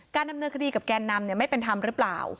ดำเนินคดีกับแกนนำไม่เป็นธรรมหรือเปล่า